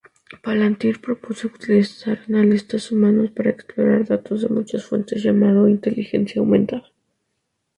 Palantir propuso utilizar analistas humanos para explorar datos de muchas fuentes, llamado inteligencia aumentada.